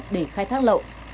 để khai thác lậu